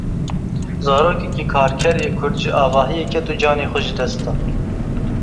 Zarokekî karker ê Kurd ji avahiyê ket û canê xwe ji dest da.